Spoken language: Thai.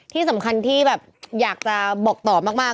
ที่สำคัญที่แบบอยากจะบอกต่อมาก